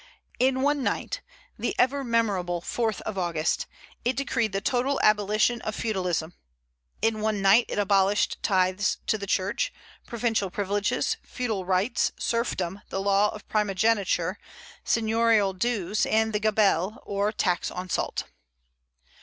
In one night, the ever memorable 4th of August, it decreed the total abolition of feudalism. In one night it abolished tithes to the church, provincial privileges, feudal rights, serfdom, the law of primogeniture, seigniorial dues, and the gabelle, or tax on salt.